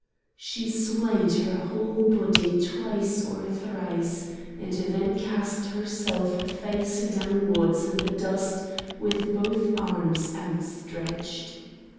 She swayed her whole body twice or thrice, and then cast herself face downwards in the dust with both arms outstretched.